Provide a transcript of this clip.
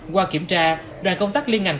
qua kiểm tra đoàn công tác liên ngành